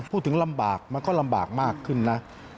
ลำบากมันก็ลำบากมากขึ้นนะ